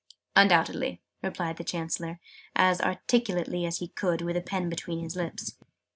"Undoubtedly!" replied the Chancellor, as articulately as he could with a pen between his lips.